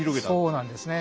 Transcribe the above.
そうなんですね。